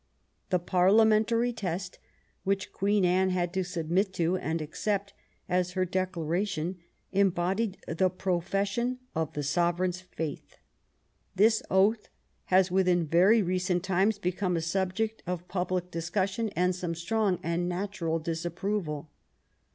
The par liamentary test which Queen Anne had to submit to and accept as her declaration, embodied the profession of the sovereign's faith. This oath has within very re cent times become a subject of public discussion and some strong and natural disapproval.